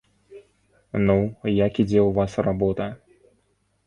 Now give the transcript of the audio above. Ну, як ідзе ў вас работа?